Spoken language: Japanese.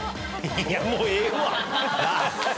いやもうええわ！